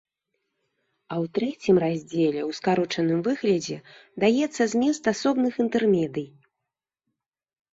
А ў трэцім раздзеле ў скарочаным выглядзе даецца змест асобных інтэрмедый.